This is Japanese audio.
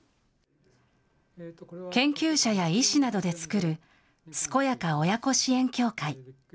研究者や医師などで作る、健やか親子支援協会。